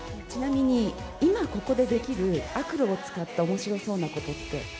ちなみに、今ここでできるアクロを使ったおもしろそうなことって？